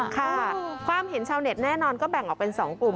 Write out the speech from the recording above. ค่ะความเห็นชาวเน็ตแน่นอนก็แบ่งออกเป็น๒กลุ่ม